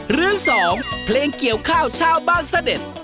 หรือ๒เพลงเกี่ยวข้าวชาวบ้านเสด็จ